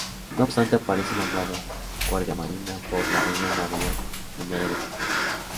No obstante aparece nombrado guardiamarina por la reina María I de Portugal.